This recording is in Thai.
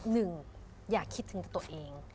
หนึ่งอยากคิดถึงตัวตัวเอง